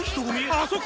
あそこ！